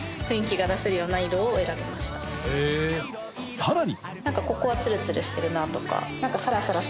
［さらに］